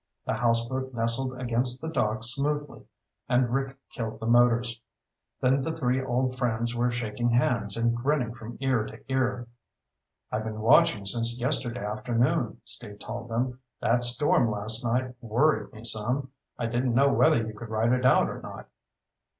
The houseboat nestled against the dock smoothly and Rick killed the motors. Then the three old friends were shaking hands and grinning from ear to ear. "I've been watching since yesterday afternoon," Steve told them. "That storm last night worried me some. I didn't know whether you could ride it out or not."